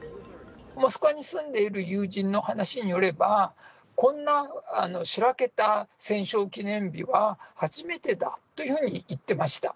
モスクワに住んでいる友人の話によれば、こんなしらけた戦勝記念日は初めてだというふうに言ってました。